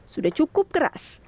sudah cukup keras